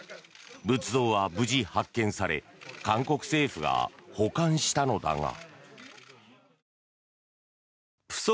仏像は無事、発見され韓国政府が保管したのだが。